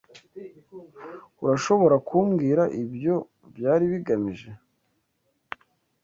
Urashobora kumbwira ibyo byari bigamije?